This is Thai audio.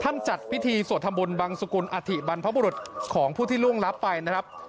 ท่านจัดพิธีสวดธรรมบุญบางสกุลอธิบันพพรุฑของผู้ที่ร่วงลับไปนะครับ